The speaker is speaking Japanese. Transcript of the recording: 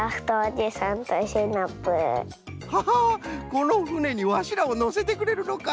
このふねにわしらをのせてくれるのか！